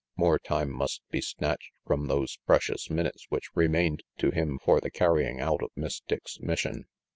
More time must be snatched from those precious minutes which remained to him for the carrying out RANGY, PETE 187 of Miss Dick's mission.